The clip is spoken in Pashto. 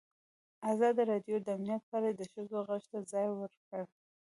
ازادي راډیو د امنیت په اړه د ښځو غږ ته ځای ورکړی.